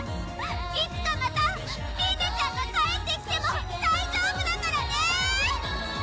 いつかまたりんねちゃんが帰ってきても大丈夫だからね！